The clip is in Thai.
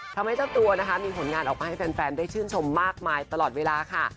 เจ้าตัวนะคะมีผลงานออกมาให้แฟนได้ชื่นชมมากมายตลอดเวลาค่ะ